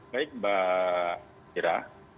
baik mbak kira